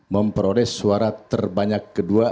memproses suara terbanyak kedua